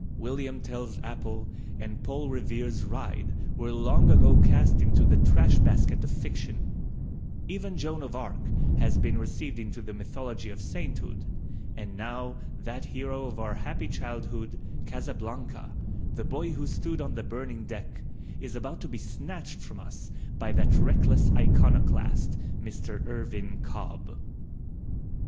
William Tell's Apple and Paul Revere's Ride were long ago cast into the trash basket of Fiction; even Joan of Arc has been received into the mythology of Sainthood, and now that hero of our happy childhood, Casablanca, the boy who stood on the burning deck, is about to be snatched from us by that reckless iconoclast, Mr. Irvin Cobb.